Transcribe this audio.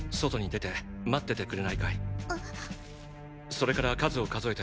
それから数を数えて。